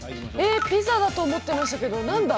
ピザだと思っていたけど何だ？